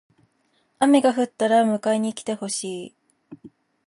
雨が降ったら迎えに来てほしい。